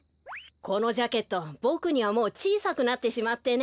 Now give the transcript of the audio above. このジャケットボクにはもうちいさくなってしまってね。